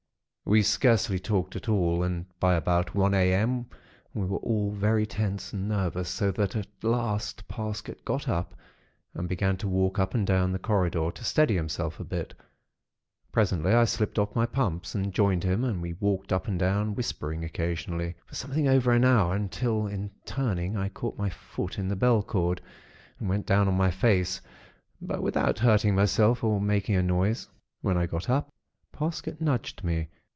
"We scarcely talked at all, and by about one a.m. we were all very tense and nervous; so that, at last, Parsket got up and began to walk up and down the corridor, to steady himself a bit. Presently, I slipped off my pumps, and joined him and we walked up and down, whispering occasionally, for something over an hour, until in turning I caught my foot in the bell cord, and went down on my face; but without hurting myself or making a noise. "When I got up, Parsket nudged me.